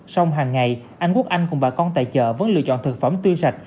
xong hàng ngày anh quốc anh cùng bà con tại chợ vẫn lựa chọn thực phẩm tươi sạch